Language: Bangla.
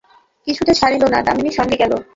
কিছুতে ছাড়িল না, দামিনী সঙ্গে গেল।